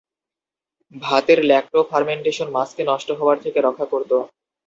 ভাতের ল্যাক্টো-ফারমেন্টেশন মাছকে নষ্ট হওয়ার থেকে রক্ষা করত।